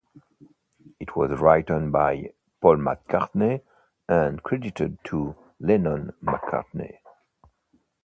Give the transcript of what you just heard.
It was written by Paul McCartney and credited to Lennon-McCartney.